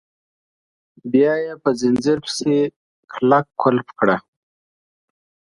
بیا یې په ځنځیر پسې کلک قلف کړه.